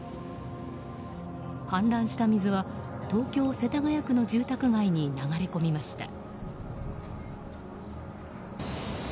氾濫した水は東京・世田谷区の住宅街に流れ込みました。